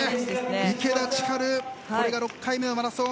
池田千晴これが６回目のマラソン。